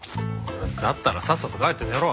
だったらさっさと帰って寝ろ。